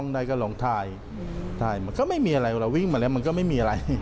ได้มันก็ไม่มีอะไรเราวิ่งมาแล้วมันก็ไม่มีอะไร